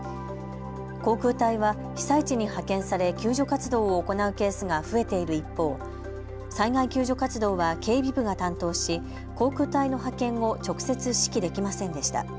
航空隊は被災地に派遣され救助活動を行うケースが増えている一方、災害救助活動は警備部が担当し航空隊の派遣を直接指揮できませんでした。